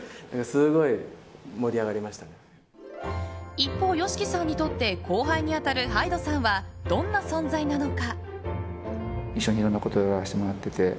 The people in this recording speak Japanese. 一方ＹＯＳＨＩＫＩさんにとって後輩に当たるＨＹＤＥさんはどんな存在なのか。